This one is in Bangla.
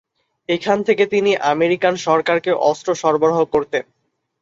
এখান থেকে তিনি আমেরিকান সরকারকে অস্ত্র সরবরাহ করতেন।